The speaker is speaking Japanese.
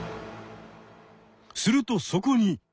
するとそこに！